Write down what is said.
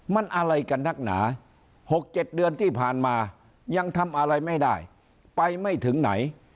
มันอะไรกันนักหนา๖๗เดือนที่ผ่านมายังทำอะไรไม่ได้ไปไม่ถึงไหน